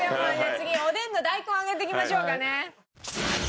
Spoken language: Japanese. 次おでんの大根揚げていきましょうかね。